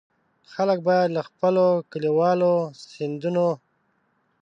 خلک باید له خپلو کلیوالو سیندونو.